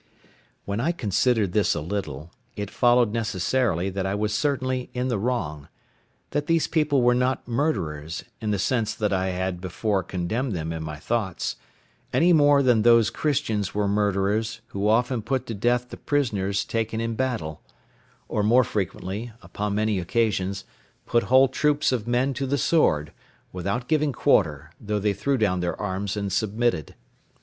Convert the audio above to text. When I considered this a little, it followed necessarily that I was certainly in the wrong; that these people were not murderers, in the sense that I had before condemned them in my thoughts, any more than those Christians were murderers who often put to death the prisoners taken in battle; or more frequently, upon many occasions, put whole troops of men to the sword, without giving quarter, though they threw down their arms and submitted.